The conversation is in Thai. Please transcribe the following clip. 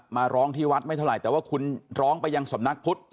มาร้องที่วัดไม่เท่าไหร่แต่ว่าคุณร้องไปยังสำนักพุทธ